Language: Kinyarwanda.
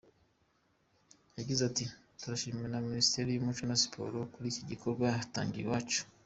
Yagize ati:"Turashimira Minisiteri y’umuco na siporo kuri iki gikorwa batangije iwacu.